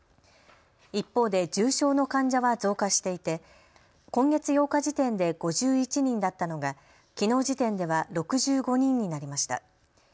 一方で重症の患者は増加していて今月８日時点で５１人だったのがきのう時点では６５人になりました。